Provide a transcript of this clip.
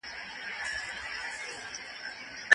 د ارغنداب سیند چاپېریال د ژویو لپاره هم مناسب دی.